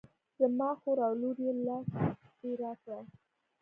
زما خور او لور یې لاس دې را کړه.